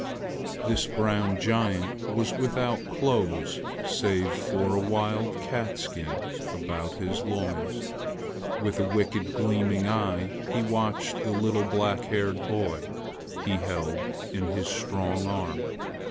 This brown giant was without clothes save for a wild cat skin about his loins. With a wicked gleaming eye, he watched the little black haired baby he held in his strong arm.